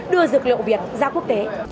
đưa dược liệu việt ra quốc tế